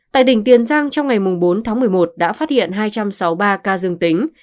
tại tỉnh tiền giang trong ngày bốn tháng một mươi một đã phát hiện hai trăm sáu mươi ba ca dương tính